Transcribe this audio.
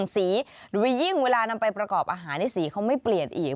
สีโดยยิ่งเวลานำไปประกอบอาหารในสีเขาไม่เปลี่ยนอีก